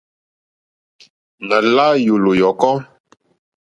Nà la yòlò yɔ̀kɔ.